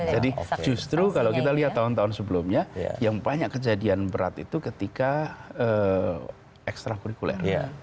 jadi justru kalau kita lihat tahun tahun sebelumnya yang banyak kejadian berat itu ketika ekstra kurikuler